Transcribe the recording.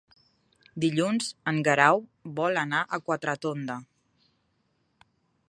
Dilluns en Guerau vol anar a Quatretonda.